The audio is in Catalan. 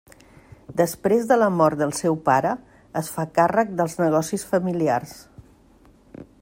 Després de la mort del seu pare, es fa càrrec dels negocis familiars.